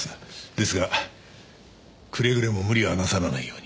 ですがくれぐれも無理はなさらないように。